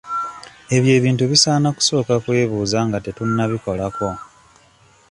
Ebyo ebintu bisaana kusooka kwebuuza nga tetunnabikolako.